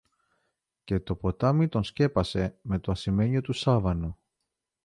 και το ποτάμι τον σκέπασε με το ασημένιο του σάβανο.